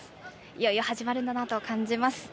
いよいよ始まるんだなと感じます。